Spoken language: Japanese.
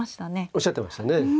おっしゃってましたね。